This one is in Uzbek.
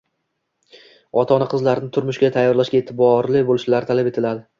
Ota-ona qizlarini turmushga tayyorlashga e’tiborli bo‘lishlari talab etiladi.